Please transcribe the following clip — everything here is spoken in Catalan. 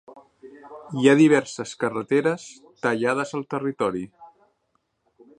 Hi ha diverses carreteres tallades al territori.